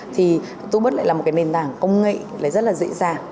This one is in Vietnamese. thì tô bách lại là một cái nền tảng công nghệ rất là dễ dàng